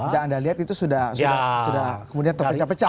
dan anda lihat itu sudah kemudian terpecah pecah gitu